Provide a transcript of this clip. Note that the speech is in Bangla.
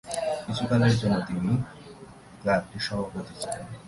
কিছু কালের জন্য তিনি ক্লাবটির সভাপতি ছিলেন।